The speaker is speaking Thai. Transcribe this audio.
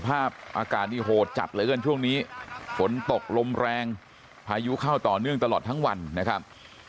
ภาพอากาศนี่โหดจัดเหลือเกินช่วงนี้ฝนตกลมแรงพายุเข้าต่อเนื่องตลอดทั้งวันนะครับ